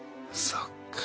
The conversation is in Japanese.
そっか。